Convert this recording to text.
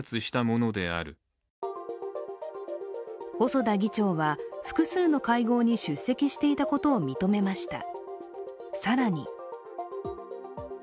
細田議長は複数の会合に出席していたことを認めました。